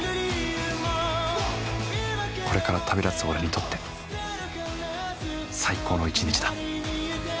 これから旅立つ俺にとって最高の一日だ